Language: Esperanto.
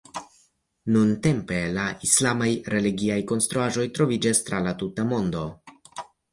Nuntempe la islamaj religiaj konstruaĵoj troviĝas tra la tuta mondo.